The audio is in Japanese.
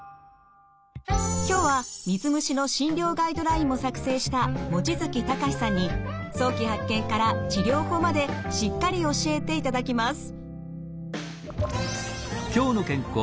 今日は水虫の診療ガイドラインも作成した望月隆さんに早期発見から治療法までしっかり教えていただきます。